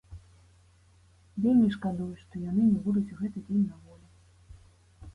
Вельмі шкадую, што яны не будуць у гэты дзень на волі.